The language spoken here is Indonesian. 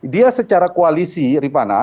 dia secara koalisi ripana